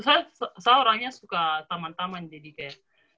saya orangnya suka taman taman jadi kayak